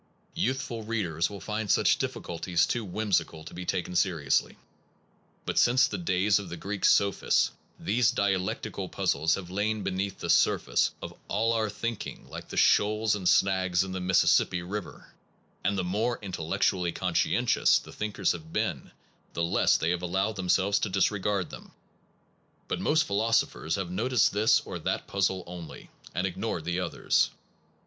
Youthful readers will find such difficulties too whimsical to be taken seriously; but since the days of the Greek sophists these dialectic puzzles have lain beneath the surface of all our thinking like the shoals and snags in the Mississippi river; and the more intellectu ally conscientious the thinkers have been, the less they have allowed themselves to disregard them. But most philosophers have noticed this or that puzzle only, and ignored the others.